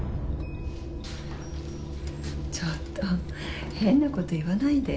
ちょっと変なこと言わないで。